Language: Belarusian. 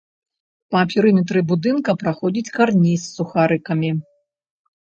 Па перыметры будынка праходзіць карніз з сухарыкамі.